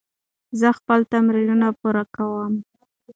زه خپل تمرینونه پوره کوم.